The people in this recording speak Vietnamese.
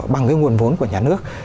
bằng cái nguồn vốn của nhà nước